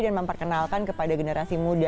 dan memperkenalkan kepada generasi muda